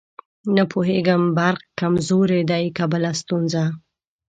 نه پوهېږم برق کمزورې دی که بله ستونزه.